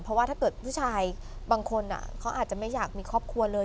หรือว่าผู้ชายบางคนเขาอาจจะไม่อยากมีครอบครัวเลย